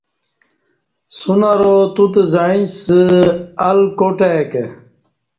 سن ارا توتہ زعیݩسہ ال کاٹ آی کہ